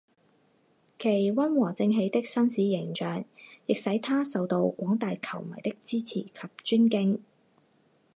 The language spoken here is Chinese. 其温和正气的绅士形象亦使他受到广大球迷的支持及尊敬。